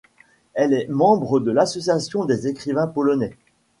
Elle est membre de l'Association des écrivains polonais.